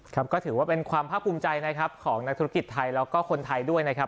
ก็ถือว่าเป็นความพระภูมิใจของนักธุรกิจไทยแล้วก็คนไทยด้วยนะครับ